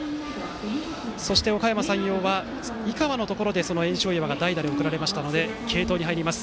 そして、おかやま山陽は井川のところで焔硝岩が代打で送られましたので継投に入ります。